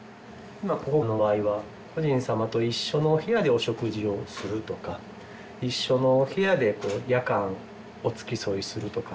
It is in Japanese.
ここの場合は故人様と一緒のお部屋でお食事をするとか一緒のお部屋で夜間お付き添いするとか。